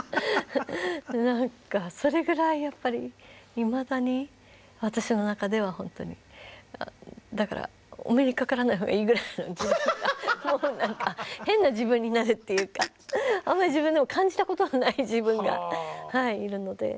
何かそれぐらいやっぱりいまだに私の中ではほんとにだからお目にかからない方がいいぐらいの自分がもう何か変な自分になるというかあまり自分でも感じたことがない自分がいるので。